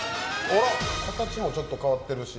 形もちょっと変わってるし。